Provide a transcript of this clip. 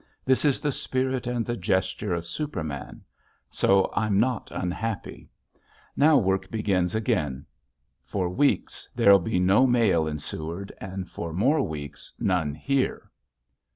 This is the spirit and the gesture of Superman. So I'm not unhappy. Now work begins again. For weeks there'll be no mail in Seward and for more weeks none here.